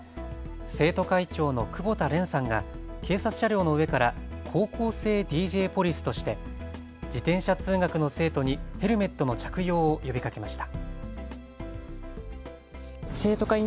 生徒会長の久保田蓮さんが警察車両の上から高校生ＤＪポリスとして自転車通学の生徒にヘルメットの着用を呼びかけました。